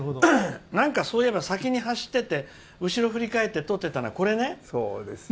そういえば先に走っていって後ろ振り返っていって撮ってたの、これね。